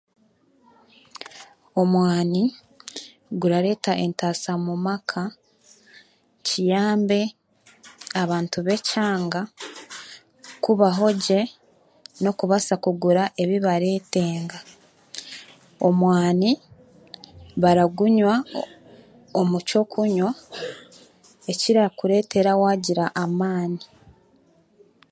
Omwani gurareeta entaasa mu maka, kiyambe abantu b'ekyanga kubaho gye n'okubaasa kugura ebi baretenga. Omwani baragunywa omu ky'okunywa ekirakureetera waagira amaani